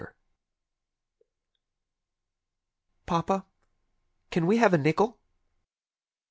w fEkm CAN we have a nickel?"